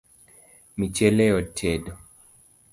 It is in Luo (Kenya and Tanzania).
Michele yot tedo